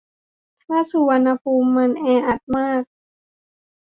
ถ้าสุวรรณภูมิมันแออัดมาก